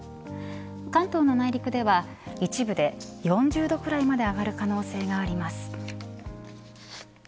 関東の内陸では一部で４０度くらいまで上がる可能性があります。